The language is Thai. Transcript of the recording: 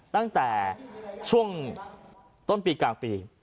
ตั้งแต่ช่วงต้นปีกลางปี